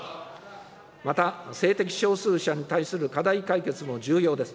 また、性的少数者に対する課題解決も重要です。